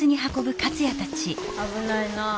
あぶないなあ。